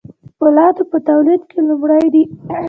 د فولادو په تولید کې لومړی دي.